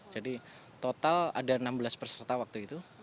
jadi total ada enam belas peserta waktu itu